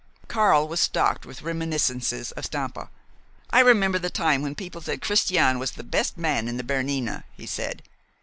Karl was stocked with reminiscences of Stampa. "I remember the time when people said Christian was the best man in the Bernina," he said.